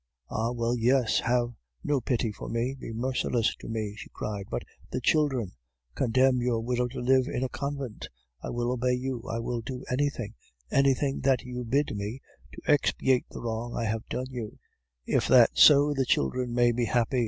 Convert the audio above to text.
"'Ah! well, yes, have no pity for me, be merciless to me!' she cried. 'But the children? Condemn your widow to live in a convent; I will obey you; I will do anything, anything that you bid me, to expiate the wrong I have done you, if that so the children may be happy!